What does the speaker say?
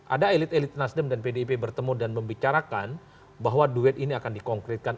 ada elit elit nasdem dan pdip bertemu dan membicarakan bahwa duet ini akan dikonkretkan